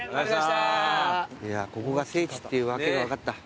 ここが聖地っていう訳が分かった。